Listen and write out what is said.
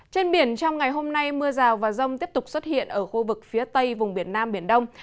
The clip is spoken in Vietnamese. trên biển trong ngày hôm nay mưa rào và rông tiếp tục xuất hiện ở khu vực phía tây vùng biển nam biển đông